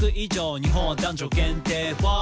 「日本は男女限定ＷＨＹ？」